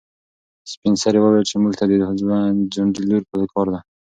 سپین سرې وویل چې موږ ته د ځونډي لور په کار ده.